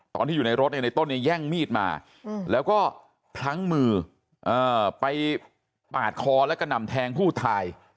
ตอนที่อยู่ในรถในต้นเนี่ยแย่งมีดมา